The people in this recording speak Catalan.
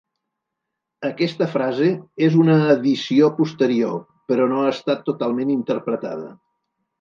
Aquesta frase és una addició posterior però no ha estat totalment interpretada.